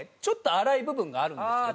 粗い部分があるんですけど。